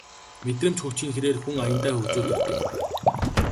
Мэдрэмж хөгжихийн хэрээр хүн аяндаа хөгжөөд ирдэг